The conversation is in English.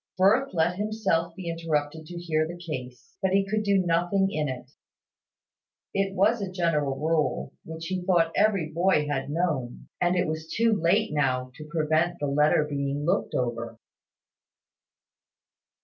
Firth let himself be interrupted to hear the case: but he could do nothing in it. It was a general rule, which he thought every boy had known; and it was too late now to prevent the letter being looked over.